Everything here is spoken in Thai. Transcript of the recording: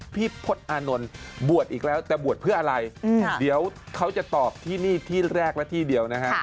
พี่พศอานนท์บวชอีกแล้วแต่บวชเพื่ออะไรเดี๋ยวเขาจะตอบที่นี่ที่แรกและที่เดียวนะฮะ